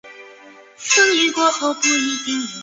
树液亦可能会刺激眼睛及胃肠管。